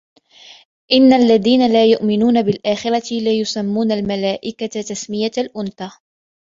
إِنَّ الَّذِينَ لَا يُؤْمِنُونَ بِالْآخِرَةِ لَيُسَمُّونَ الْمَلَائِكَةَ تَسْمِيَةَ الْأُنْثَى